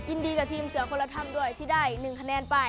ยินดีกับทีมเสือคนละถ้ำด้วยที่ได้๑คะแนนไป